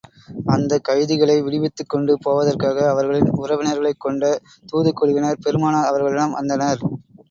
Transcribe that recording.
அந்தக் கைதிகளை விடுவித்துக் கொண்டு போவதற்காக அவர்களின் உறவினர்களைக் கொண்ட தூதுக் குழுவினர், பெருமானார் அவர்களிடம் வந்தனர்.